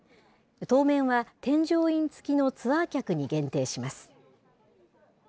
当面は添乗員付きのツアー客に限定します。